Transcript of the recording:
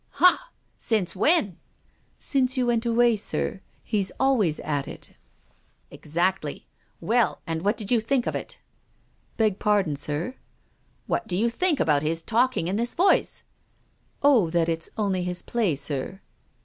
" Ha ! Since when ?"" Since vou went away, ! ir. He's always at it." 322 TONGUES OF CONSCIENCE. " Exactly. Well, and what did you think of it?" " Beg pardon, sir? "" What do you think about his talking in this voice ?" Oh, that it's only his play, sir."